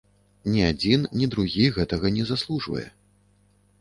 Ні адзін, ні другі гэтага не заслужвае.